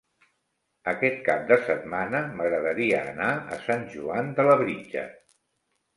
Aquest cap de setmana m'agradaria anar a Sant Joan de Labritja.